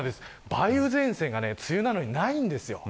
梅雨前線が梅雨なのにないんです。